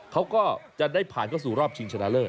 เขาก็จะได้ผ่านเข้าสู่รอบชิงชนะเลิศ